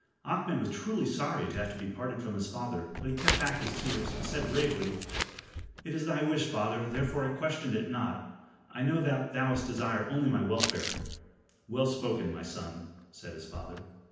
Ahmed was truly sorry to have to be parted from his father, but he kept back his tears and said bravely: "It is thy wish, father, therefore I question it not. I know that thou desirest only my welfare." "Well spoken, my son," said his father.